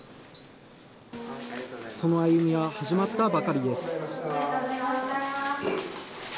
その歩みは始まったばかりです。